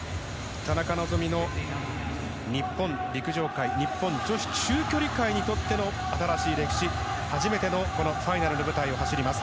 田中希実の日本陸上界日本女子中距離界にとっての新しい歴史、初めてのファイナルの舞台を走ります。